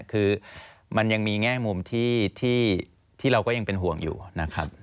คือมันยังมีแง่มุมที่เราก็ยังเป็นห่วงอยู่นะครับ